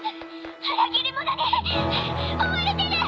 裏切り者に追われてる！